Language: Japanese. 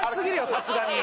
さすがに。